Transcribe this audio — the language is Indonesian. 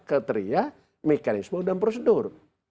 keteria mekanisme dan prosedur